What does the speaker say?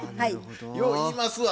よう言いますわ。